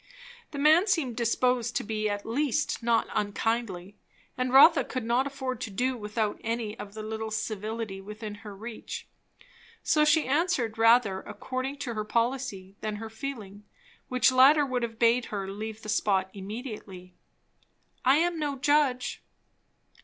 The man seemed disposed to be at least not unkindly, and Rotha could not afford to do without any of the little civility within her reach. So she answered rather according to her policy than her feeling, which latter would have bade her leave the spot immediately. "I am no judge."